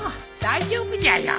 大丈夫じゃよ。